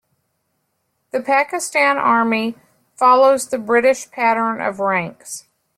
The Pakistan Army follows the British pattern of ranks.